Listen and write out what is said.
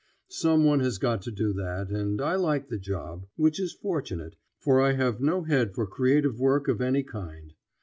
Some one has got to do that, and I like the job; which is fortunate, for I have no head for creative work of any kind.